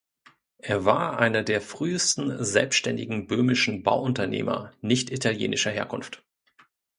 Er war einer der frühesten selbständigen böhmischen Bauunternehmer nicht-italienischer Herkunft.